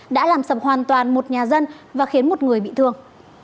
đã làm sập hoàn toàn một nhà dân và khiến một người bị thương